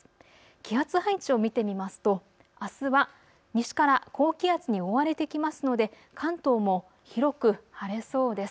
気圧配置を見てみますとあすは西から高気圧に覆われてきますので関東も広く晴れそうです。